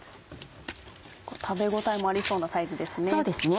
食べ応えもありそうなサイズですね。